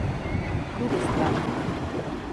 Du bist dran.